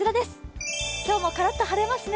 今日もからっと晴れますね。